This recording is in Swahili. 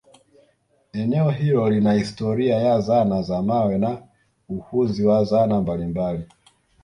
eneo hilo lina historia ya zana za mawe na uhunzi wa zana mbalimbali